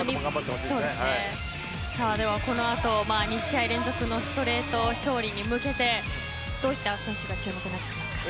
では、この後２試合連続のストレート勝利に向けてどういった選手が注目になってきますか？